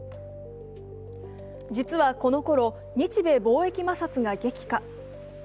実はこの頃、日米貿易摩擦が激化。